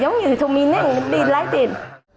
giống như thông minh ấy đi lái tiền